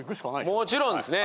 もちろんですね。